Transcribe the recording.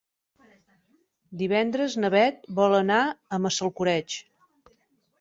Divendres na Bet vol anar a Massalcoreig.